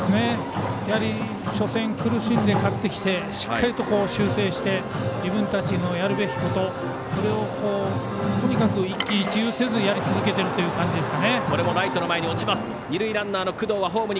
やはり初戦、苦しんで勝ってきてしっかりと修正して自分たちのやるべきことそれをとにかく一喜一憂せずにやり続けているという感じですかね。